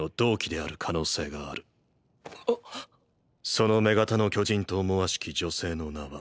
その女型の巨人と思わしき女性の名は。